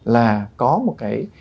là có một cái